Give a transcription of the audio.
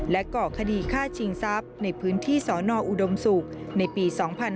ก่อคดีฆ่าชิงทรัพย์ในพื้นที่สนอุดมศุกร์ในปี๒๕๕๙